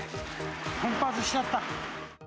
奮発しちゃった。